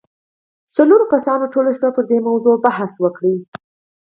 څلورو کسانو ټوله شپه پر دې موضوع بحث وکړ.